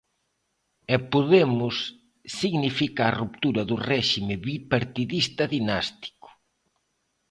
E Podemos significa a ruptura do réxime bipartidista dinástico.